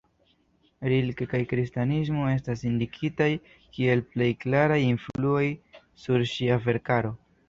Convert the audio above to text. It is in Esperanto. Rilke kaj kristanismo estas indikitaj kiel plej klaraj influoj sur ŝia verkaro.